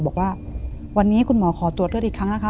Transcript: บอกว่าวันนี้คุณหมอขอตรวจเลือดอีกครั้งนะคะ